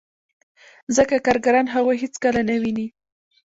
ځکه کارګران هغوی هېڅکله نه ویني